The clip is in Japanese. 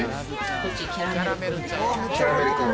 こっちキャラメルくん。